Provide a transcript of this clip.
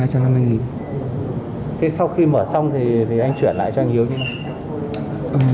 thế sau khi mở xong thì anh chuyển lại cho anh hiếu như thế này